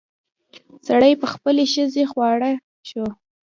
سړي په خپلې ښځې خواړه شو.